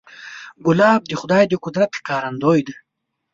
ګلاب د خدای د قدرت ښکارندوی دی.